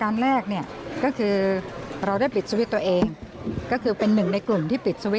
ไม่ควรเอาออกหมอก็ยินดี